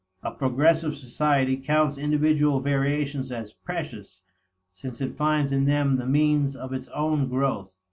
A progressive society counts individual variations as precious since it finds in them the means of its own growth.